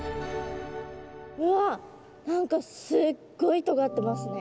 うわ何かすっごいとがってますね。